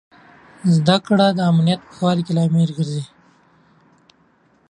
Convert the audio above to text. زده کړه د امنیت د ښه کولو لامل ګرځي.